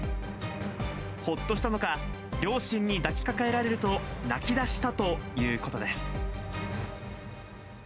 ほっとしたのか、両親に抱きかかえられると、泣きだしたということです。